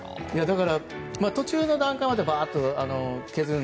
途中の段階までバーッと削る